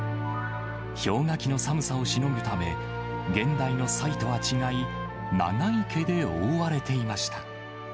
氷河期の寒さをしのぐため、現代のサイとは違い、長い毛で覆われていました。